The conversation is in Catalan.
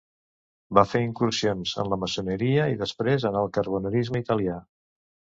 Va fer incursions en la maçoneria i després en el carbonarisme italià.